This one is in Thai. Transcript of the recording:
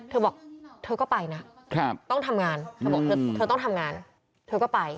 เธอบอกเธอก็ไปนะต้องทำงานเธอบอกเธอต้องทำงานเธอก็ไป